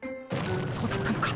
そうだったのか。